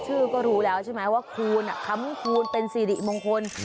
ชื่อก็รู้แล้วใช่ไหมว่าคูณค้ำคูณเป็นสิริมงคล